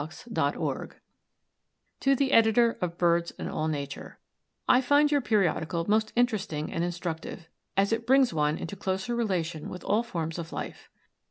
To the Editor of BIRDS AND ALL NATURE: I find your periodical most interesting and instructive, as it brings one into closer relation with all forms of life.